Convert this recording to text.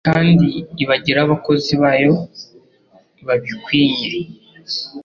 kandi ibagire abakozi bayo babikwinye.